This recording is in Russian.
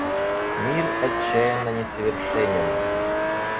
Мир отчаянно несовершенен.